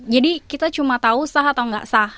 jadi kita cuma tau sah atau gak sah